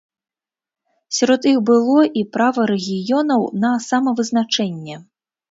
Сярод іх было і права рэгіёнаў на самавызначэнне.